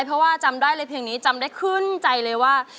เพราะว่าจำได้เลยเพลงนี้จำได้ขึ้นใจเลยว่า